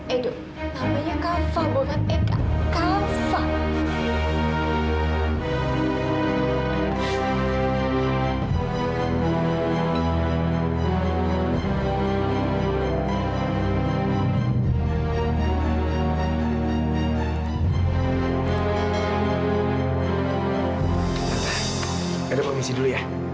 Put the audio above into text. edo kamu keluar